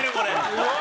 すごい！